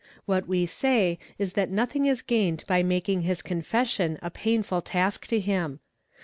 What we say is that nothing is gained by making his confession a painful task to him.